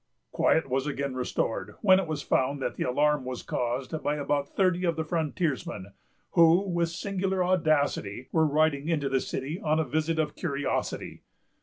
Quiet was again restored; when it was found that the alarm was caused by about thirty of the frontiersmen, who, with singular audacity, were riding into the city on a visit of curiosity.